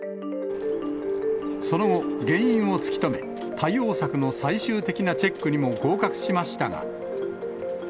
その後、原因を突き止め、対応策の最終的なチェックにも合格しましたが。